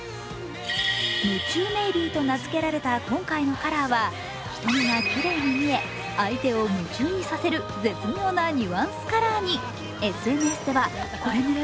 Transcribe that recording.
夢中ネイビーと名付けられた今回のカラーは瞳がきれいに見え、相手を夢中にさせる絶妙なニュアンスカラーに。